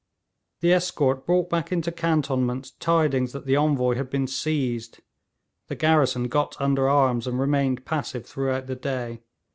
The escort brought back into cantonments tidings that the Envoy had been seized. The garrison got under arms, and remained passive throughout the day.